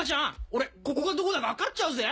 俺ここがどこだか分かっちゃうぜ。